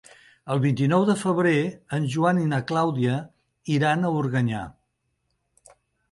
El vint-i-nou de febrer en Joan i na Clàudia iran a Organyà.